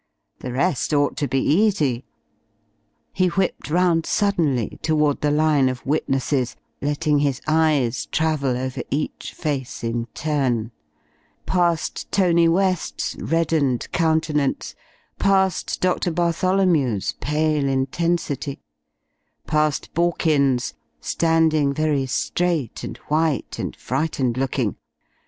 The rest ought to be easy." He whipped round suddenly toward the line of witnesses, letting his eyes travel over each face in turn; past Tony West's reddened countenance, past Dr. Bartholomew's pale intensity, past Borkins, standing very straight and white and frightened looking.